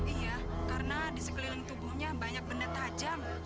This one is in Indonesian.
iya karena di sekeliling tubuhnya banyak benda tajam